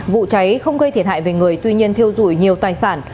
vụ cháy không gây thiệt hại về người tuy nhiên thiêu dụi nhiều tài sản